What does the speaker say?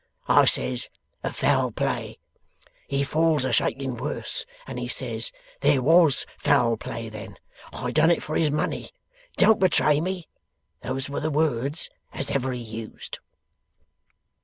I says, "Of foul play." He falls a shaking worse, and he says, "There WAS foul play then. I done it for his money. Don't betray me!" Those were the words as ever he used.